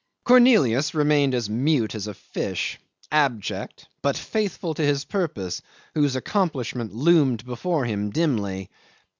Cornelius remained as mute as a fish, abject but faithful to his purpose, whose accomplishment loomed before him dimly.